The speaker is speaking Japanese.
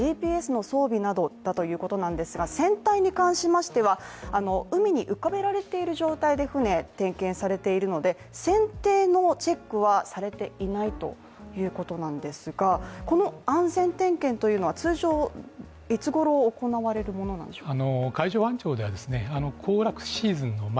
点検したのは全体の他、救命具やＧＰＳの装備などだということなんですが船体に関しましては、あの海に浮かべられている状態で船点検されているので、船底のチェックはされていないということなんですが、この安全点検というのは通常いつごろ行われるものなんでしょうか海上保安庁ではですね